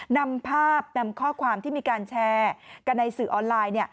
นำภาพนำข้อความที่มีการแชร์กันในสื่อออนไลน์